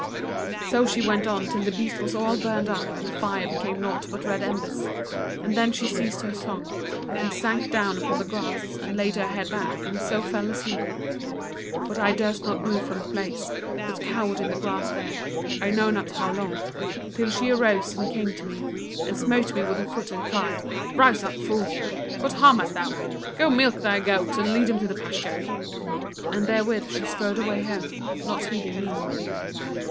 "So she went on till the beast was all burned up and the fire became naught but red embers, and then she ceased her song and sank down upon the grass, and laid her head back and so fell asleep; but I durst not move from the place, but cowered in the grass there, I know not how long, till she arose and came to me, and smote me with her foot and cried: 'Rise up, fool! what harm hast thou? Go milk thy goats and lead them to pasture.' And therewith she strode away home, not heeding me.